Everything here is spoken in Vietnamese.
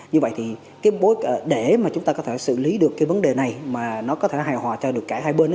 như vậy thì cái để mà chúng ta có thể xử lý được cái vấn đề này mà nó có thể hài hòa cho được cả hai bên